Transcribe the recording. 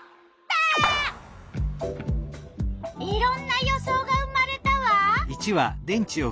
いろんな予想が生まれたわ。